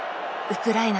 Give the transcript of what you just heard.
ウクライナ！